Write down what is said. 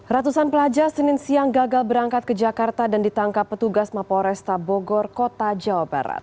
ratusan pelajar senin siang gagal berangkat ke jakarta dan ditangkap petugas mapo resta bogor kota jawa barat